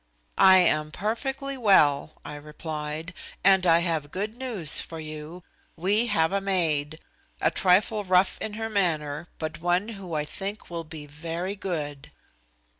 "I am perfectly well," I replied, "and I have good news for you. We have a maid, a trifle rough in her manner, but one who I think will be very good."